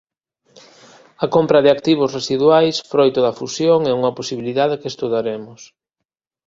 A compra de activos residuais froito da fusión é unha posibilidade que estudaremos